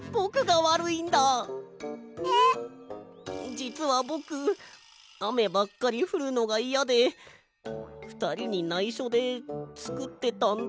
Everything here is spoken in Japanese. じつはぼくあめばっかりふるのがいやでふたりにないしょでつくってたんだ。